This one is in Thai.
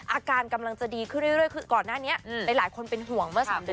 อาการกำลังจะดีขึ้นเรื่อยคือก่อนหน้านี้หลายคนเป็นห่วงเมื่อ๓เดือน